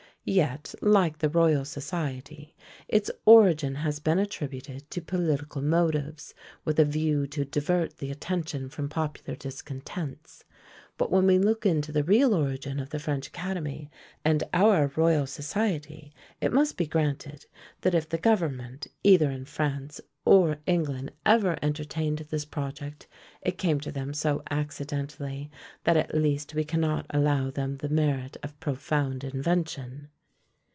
Yet, like the Royal Society, its origin has been attributed to political motives, with a view to divert the attention from popular discontents; but when we look into the real origin of the French Academy, and our Royal Society, it must be granted, that if the government either in France or England ever entertained this project, it came to them so accidentally, that at least we cannot allow them the merit of profound invention.